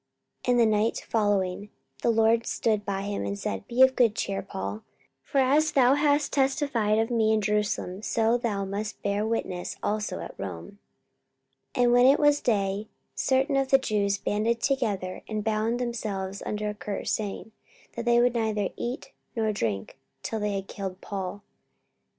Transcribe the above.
44:023:011 And the night following the Lord stood by him, and said, Be of good cheer, Paul: for as thou hast testified of me in Jerusalem, so must thou bear witness also at Rome. 44:023:012 And when it was day, certain of the Jews banded together, and bound themselves under a curse, saying that they would neither eat nor drink till they had killed Paul.